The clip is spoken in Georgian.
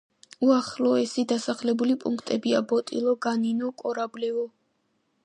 უახლოესი დასახლებული პუნქტებია: ბოტილო, განინო, კორაბლევო.